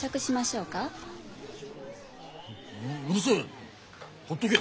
ううるせえ！